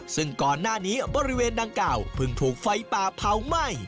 ซึ่งก่อนหน้านี้บริเวณดังกล่าวเพิ่งถูกไฟป่าเผาไหม้